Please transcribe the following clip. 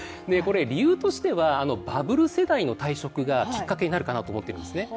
理由としてはバブル世代の退職がきっかけになるかなと思っているんですね。